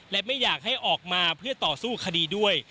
และไม่อยากให้ออกมาเพื่อต่อสู้คดีด้วย